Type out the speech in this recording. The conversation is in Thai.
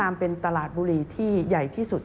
ประกอบกับต้นทุนหลักที่เพิ่มขึ้น